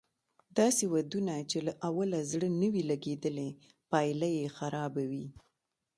داسې ودونه چې له اوله زړه نه وي لګېدلی پايله یې خرابه وي